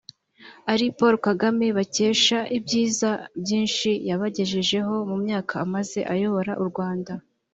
ari Paul Kagame bakesha ibyiza byinshi yabagejejeho mu myaka amaze ayobora u Rwanda